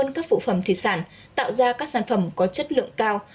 nói hơn các phụ phẩm thủy sản tạo ra các sản phẩm có chất lượng cao